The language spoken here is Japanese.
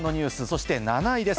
そして７位です。